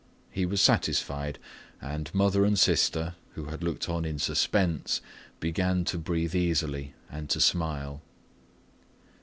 He was satisfied, and mother and sister, who had looked on in suspense, began to breathe easily and to smile.